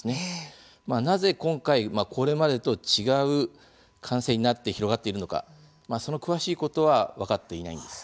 なぜ今回、これまでと違う感染になって広がっているのかその詳しいことは分かっていないんです。